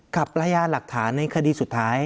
กับประยาหลักฐานในคดีสุดท้าย